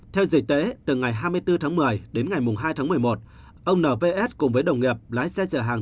theo dịch tễ từ ngày hai mươi bốn tháng một mươi đến ngày hai tháng một mươi một ông nvs cùng với đồng nghiệp lái xe dở hàng